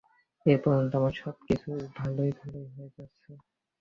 এ পর্যন্ত আমার সব কিছুই ভালয় ভালয় হয়ে যাচ্ছে।